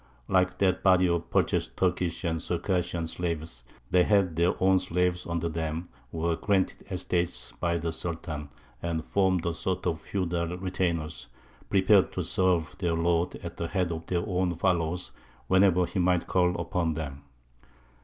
Like that body of purchased Turkish and Circassian slaves, they had their own slaves under them, were granted estates by the Sultan, and formed a sort of feudal retainers, prepared to serve their lord at the head of their own followers whenever he might call upon them.